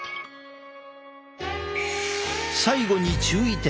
最後に注意点。